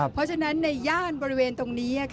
เพราะฉะนั้นในย่านบริเวณตรงนี้